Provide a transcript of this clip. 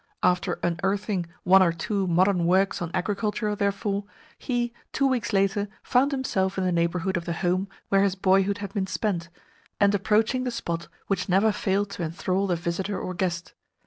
After unearthing one or two modern works on agriculture, therefore, he, two weeks later, found himself in the neighbourhood of the home where his boyhood had been spent, and approaching the spot which never failed to enthral the visitor or guest.